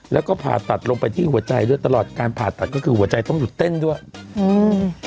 แล้วก็ผ่าตัดลงไปที่หัวใจด้วยตลอดการผ่าตัดก็คือหัวใจต้องหยุดเต้นด้วยอืม